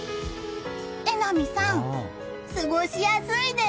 榎並さん、過ごしやすいです！